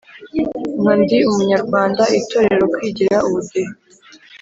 nka ndi umunyarwanda, itorero, kwigira, ubudehe,